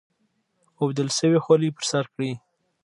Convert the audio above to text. اوبدل شوې خولۍ پر سر کړي.